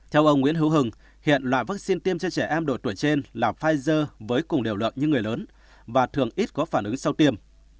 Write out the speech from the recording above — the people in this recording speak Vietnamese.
theo ông nguyễn hữu hưng hiện loại vaccine tiêm cho trẻ em độ tuổi trên là pfizer với cùng đều lợi như người lớn và thường ít có phản ứng sau tiêm